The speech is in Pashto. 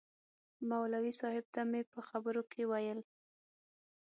مولوي صاحب ته مې په خبرو کې ویل.